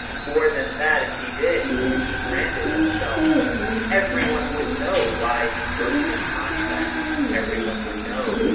More than that, if he did, he branded himself. Everyone would know why he broke his contract. Everyone would know.